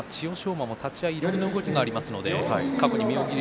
馬も立ち合いいろんな動きがありますので過去に妙義龍